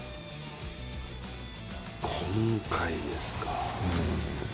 今回ですか。